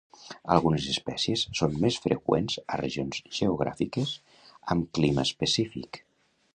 Algunes espècies són més freqüents a regions geogràfiques amb clima específic.